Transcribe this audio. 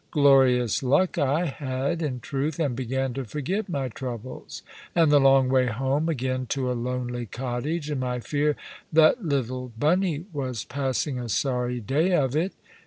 Glorious luck I had, in truth, and began to forget my troubles, and the long way home again to a lonely cottage, and my fear that little Bunny was passing a sorry day of it.